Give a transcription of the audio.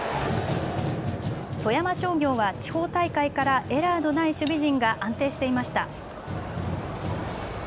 富山商業は地方大会からエラーのない守備陣が安定していました。